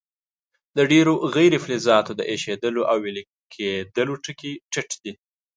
د ډیرو غیر فلزاتو د ایشېدلو او ویلي کیدلو ټکي ټیټ دي.